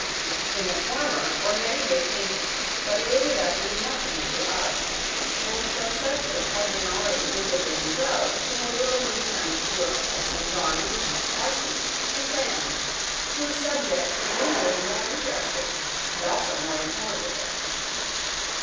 In the former were many good paintings: but Elizabeth knew nothing of the art; and from such as had been already visible below, she had willingly turned to look at some drawings of Miss Darcy's, in crayons, whose subjects were usually more interesting, and also more intelligible.